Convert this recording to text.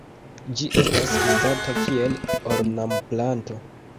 Ĝi estas uzata kiel ornamplanto.